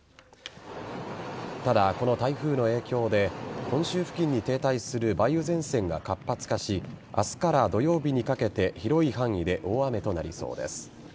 ただ、この台風の影響で本州付近に停滞する梅雨前線が活発化し明日から土曜日にかけて広い範囲で大雨となりそうです。